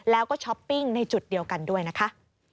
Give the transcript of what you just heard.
แล้วก็ช้อปปิ้งในจุดเดียวกันด้วยนะคะ